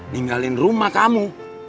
ninggalin rumah kamu